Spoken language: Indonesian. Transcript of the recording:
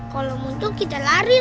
kalau muncul kita lari lah